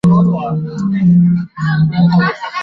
祀四川名宦。